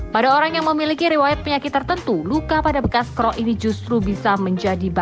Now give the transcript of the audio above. pada orang yang memiliki riwayat penyakit tertentu luka pada bekas kro ini justru bisa menjadi bahan